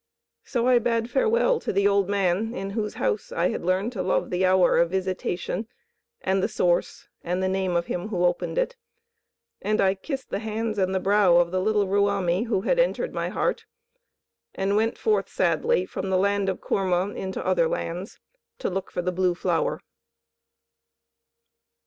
So I bade farewell to the old man in whose house I had learned to love the hour of visitation and the Source and the name of him who opened it; and I kissed the hands and the brow of the little Ruamie who had entered my heart, and went forth sadly from the land of Koorma into other lands, to look for the Blue Flower.